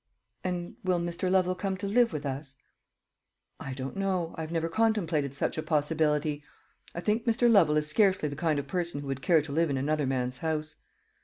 "And will Mr. Lovel come to live with us?" "I don't know; I have never contemplated such a possibility. I think Mr. Lovel is scarcely the kind of person who would care to live in another man's house."